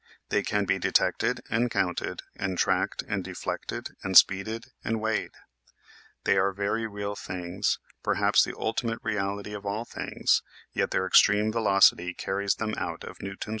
They can be detected and counted and tracked and deflected and speeded and weighed. They are very real things, per haps the ultimate reality of all things, yet their ex treme velocity carries them out of Newton's world and into Einstein's.